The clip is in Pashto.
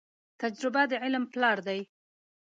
تجربه د علم پلار دي.